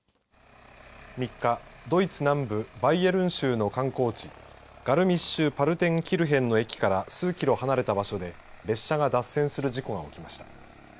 ３日、ドイツ南部バイエルン州の観光地ガルミッシュ・パルテンキルヘンの駅から数キロ離れた場所で列車が脱線する事故が起きました。